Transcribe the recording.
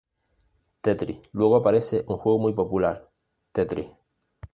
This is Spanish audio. Tetris: Luego aparece un juego muy popular, Tetris.